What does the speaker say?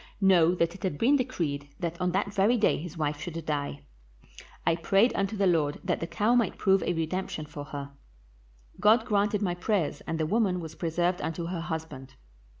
Know that it had been decreed that on that very day his wife should die. I prayed unto the Lord that the cow might prove a redemption for her; God granted my prayers, and the woman was preserved unto her husband.